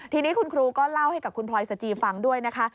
ทีนี้คุณครูก็เล่าให้กับคุณพลอยสจีฟังด้วยนะคะ